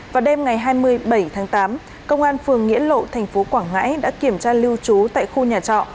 vào đêm ngày hai mươi bảy tháng tám công an phường nghĩa lộ tp quảng ngãi đã kiểm tra lưu trú tại khu nhà trọ